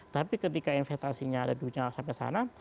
tapi ketika investasinya ada di sampai sana